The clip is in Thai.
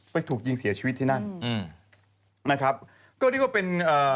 ไปถูกยิงเสียชีวิตที่นั่นนะครับก็เรียกว่าเป็น